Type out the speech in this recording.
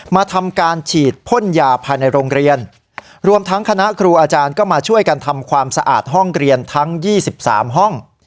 มาทำการฉีดพ่นยาภายในโรงเรียนรวมทั้งคณะครูอาจารย์ก็มาช่วยกันทำความสะอาดห้องเรียนทั้ง๒๓ห้อง